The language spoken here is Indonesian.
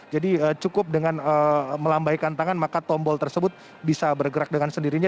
jadi cukup dengan melambaikan tangan maka tombol tersebut bisa bergerak dengan sendirinya